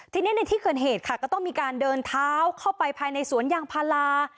ทีนี้ในที่เกิดเหตุค่ะก็ต้องมีการเดินเท้าเข้าไปภายในสวนยางพารา